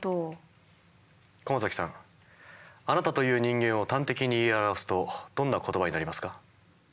駒崎さんあなたという人間を端的に言い表すとどんな言葉になりますか？